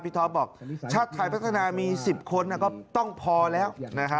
ท็อปบอกชาติไทยพัฒนามี๑๐คนก็ต้องพอแล้ว